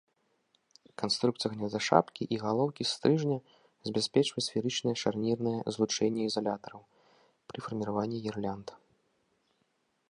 Канструкцыя гнязда шапкі і галоўкі стрыжня забяспечвае сферычнае шарнірнае злучэнне ізалятараў пры фарміраванні гірлянд.